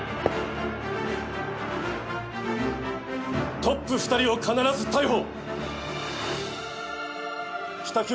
トップ２人を必ず逮捕！